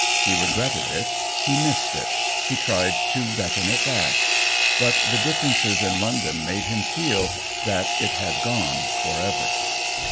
He regretted it, he missed it, he tried to beckon it back ; but the differences in London made him feel that it had gone forever.